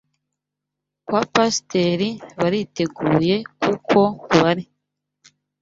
Kwa Pasiteri bariteguye kuko bari